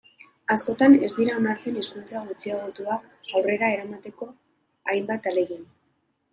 Askotan ez dira onartzen hizkuntza gutxiagotuak aurrera eramateko hainbat ahalegin.